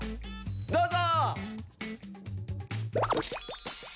どうぞ！